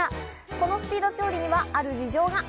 このスピード調理にはある事情が。